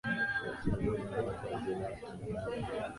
watoto akina mama na watu wazima wakina baba